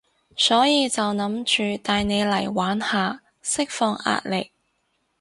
所以就諗住帶你嚟玩下，釋放壓力